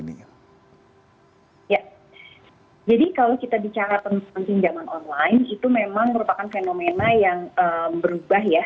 jadi kalau kita bicara tentang pinjaman online itu memang merupakan fenomena yang berubah ya